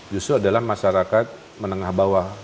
justru adalah masyarakat menengah bawah